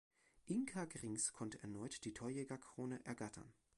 Inka Grings konnte erneut die Torjägerkrone ergattern.